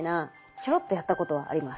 チョロッとやったことはあります。